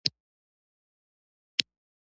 ما نه سهار چای څښلي او نه مې غرمه ډوډۍ خوړلې ده.